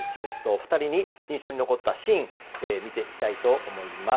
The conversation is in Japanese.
お二人に印象に残ったシーンを見ていきたいと思います。